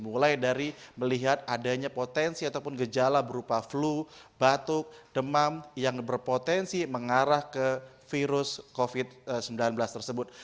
mulai dari melihat adanya potensi ataupun gejala berupa flu batuk demam yang berpotensi mengarah ke virus covid sembilan belas tersebut